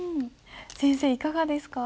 先生いかがですか？